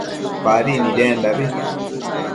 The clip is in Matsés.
Nadi nidendabi